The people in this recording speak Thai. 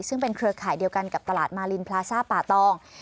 ซึ่งเป็นเครือข่ายเดียวกันกับตลาดมารินพลาซ่าป่าตอง